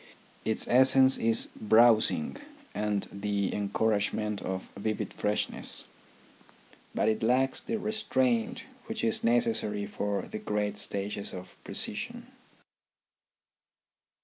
Its essence is browsing and the encouragement of vivid freshness. But it lacks the restraint which is necessary for the great stages of precision.